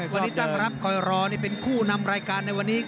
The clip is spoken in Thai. วันนี้ตั้งรับคอยรอเป็นคู่นำรายการในวันนี้